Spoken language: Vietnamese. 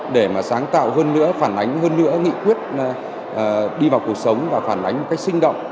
để mà sáng tạo hơn nữa phản ánh hơn nữa nghị quyết đi vào cuộc sống và phản ánh một cách sinh động